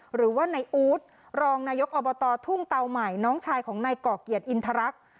หรือว่าในอู๊ดรองนายกอบตทุ่งเตาใหม่น้องชายของนายก่อเกียรติอินทรรักษ์